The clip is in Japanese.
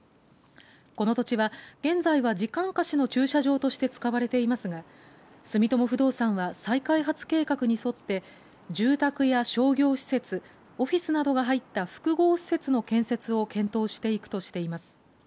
この土地は、現在は時間貸しの駐車場として使われていますが、住友不動産は再開発計画に沿って住宅や商業施設オフィスなどが入った複合施設の建設を検討していくとしています。